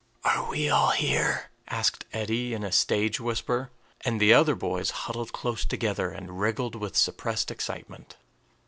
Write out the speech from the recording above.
"Are we all here?" asked Eddie in a stage whisper; and the other boys huddled close together, and wriggled with suppressed excitement.